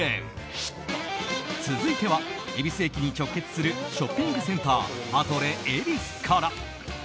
続いては、恵比寿駅に直結するショッピングセンターアトレ恵比寿から。